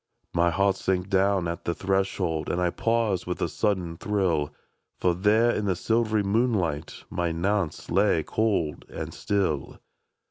My heart sank down at the threshold. And I paused with a sudden thrill, For there in the silv'ry moonlight My Nance lay, cold and still.